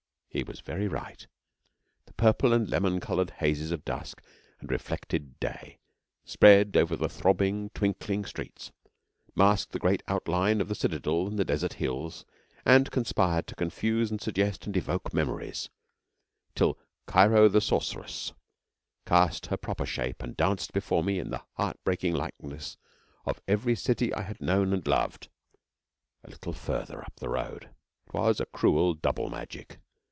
He was very right. The purple and lemon coloured hazes of dusk and reflected day spread over the throbbing, twinkling streets, masked the great outline of the citadel and the desert hills, and conspired to confuse and suggest and evoke memories, till Cairo the Sorceress cast her proper shape and danced before me in the heartbreaking likeness of every city I had known and loved, a little farther up the road. It was a cruel double magic.